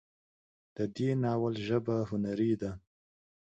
د دې ناول ژبه هنري ده